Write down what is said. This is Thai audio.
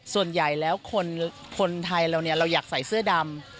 ส่วนใหญ่แล้วคนไทยเราเราอยากใส่เสื้อดำ